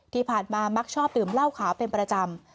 ที่ผ่านมามักชอบดื่มเหล้าขาวเป็นประจำ